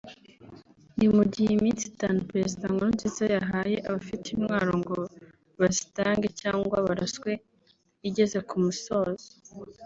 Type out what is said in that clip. ni mu gihe iminsi itanu Perezida Nkurunziza yahaye abafite intwaro ngo bazitange cyangwa baraswe igeze ku musozo